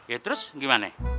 ya terus gimana